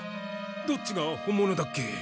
どっちが本物だっけ？